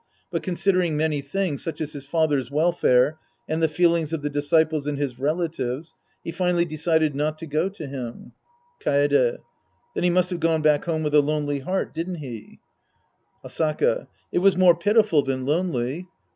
But considering many things, such as his father's welfare, and the feelings of the disciples and his relatives, he finally decided not to go to him. Kaede. Then he must have gone back home with a lonely heart, didn't he ? \n Hie Priest and His Disciples Act IV Asaka. It was more pitiful than lonely.